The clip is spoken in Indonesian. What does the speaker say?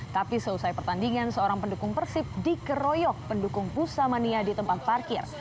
tapi selesai pertandingan seorang pendukung persib dikeroyok pendukung pusamania di tempat parkir